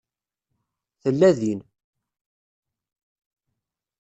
Tella din.